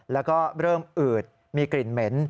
แล้วก็เริ่มอืดมีกลิ่นเหม็น